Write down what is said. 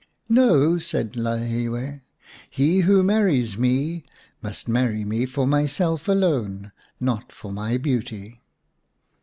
" No," said Lalhiwe. " He who marries me must marry me for myself alone, not for my beauty."